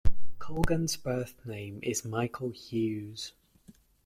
Colgan's birthname is Michael Hughes.